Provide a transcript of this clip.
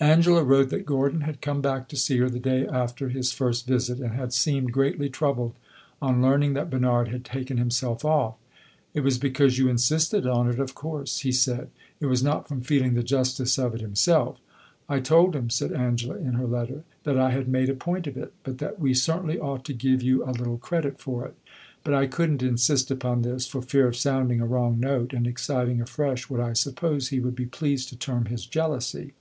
Angela wrote that Gordon had come back to see her the day after his first visit, and had seemed greatly troubled on learning that Bernard had taken himself off. "It was because you insisted on it, of course," he said; "it was not from feeling the justice of it himself." "I told him," said Angela, in her letter, "that I had made a point of it, but that we certainly ought to give you a little credit for it. But I could n't insist upon this, for fear of sounding a wrong note and exciting afresh what I suppose he would be pleased to term his jealousy.